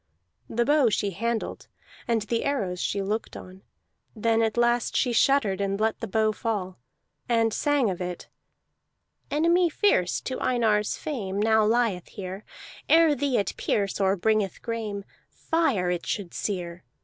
The bow she handled, and the arrows she looked on; then at last she shuddered and let the bow fall, and sang of it: "Enemy fierce To Einar's fame, Now lieth here. Ere thee it pierce, Or bringeth grame, Fire it should sear.